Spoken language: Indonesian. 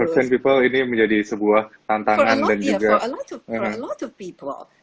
tapi for certain people ini menjadi sebuah tantangan dan juga